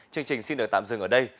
chương trình xin được tạm dừng ở đây